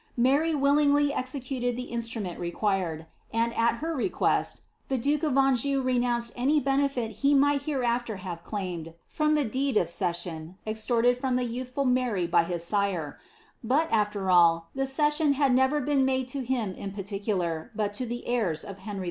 Mary willingly executed the instrument required, and, at her request, the duke of Anjou renounced any benefit he might hereafter have claimed from the deed of cession extorted from the youthful Mary by his sire ; but, after all, the cession had never been made to him in particular, but to the heirs of Henry II.